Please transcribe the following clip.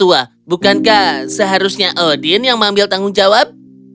kau yang tertua bukankah seharusnya odin yang mengambil tanggung jawab